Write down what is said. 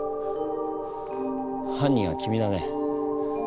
犯人は君だね？